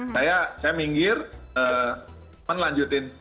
saya minggir menelanjutkan